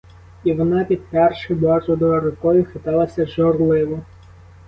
І вона, підперши бороду рукою, хиталася журливо.